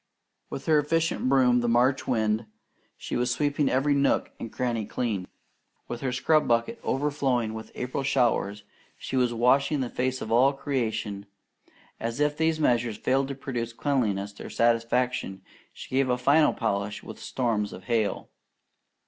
With her efficient broom, the March wind, she was sweeping every nook and cranny clean. With her scrub bucket overflowing with April showers, she was washing the face of all creation, and if these measures failed to produce cleanliness to her satisfaction, she gave a final polish with storms of hail.